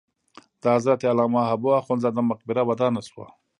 د حضرت علامه حبو اخند زاده مقبره ودانه شوه.